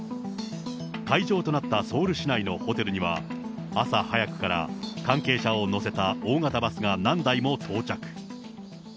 会場となったソウル市内のホテルには、朝早くから関係者を乗せた大型バスが何台も到着。